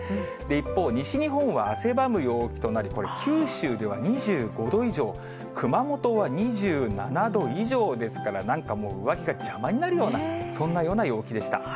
一方、西日本は汗ばむ陽気となり、これ、九州では２５度以上、熊本は２７度以上ですから、なんかもう、上着が邪魔になるような、そんなような陽気でした。